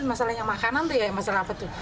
masalahnya makanan tuh ya masalah apa tuh